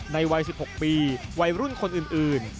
วัย๑๖ปีวัยรุ่นคนอื่น